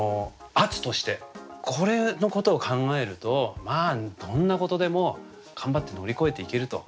これのことを考えるとどんなことでも頑張って乗り越えていけると。